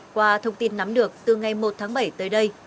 qua thông tin nắm được từ ngày một tháng bảy tới đây